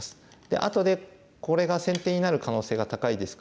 あとでこれが先手になる可能性が高いですから。